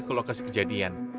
ke lokasi kejadian